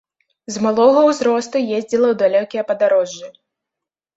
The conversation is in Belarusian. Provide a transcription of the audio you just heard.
З малога ўзросту ездзіла ў далёкія падарожжы.